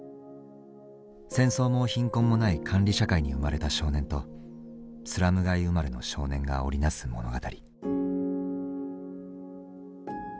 戦争も貧困もない管理社会に生まれた少年とスラム街生まれの少年が織り成す物語。